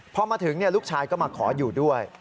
พอมาถึงลูกชายก็มาขออยู่ด้วย